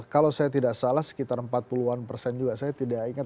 kalau saya tidak salah sekitar empat puluh an persen juga saya tidak ingat